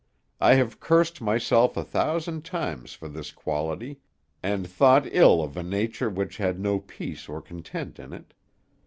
I have cursed myself a thousand times for this quality, and thought ill of a nature which had no peace or content in it.